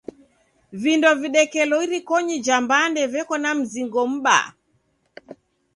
Vindo videkelo irikonyi ja mbande veko na mzingo m'baa.